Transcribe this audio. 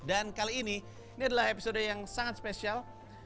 dan kali ini ini adalah episode yang sangat spesial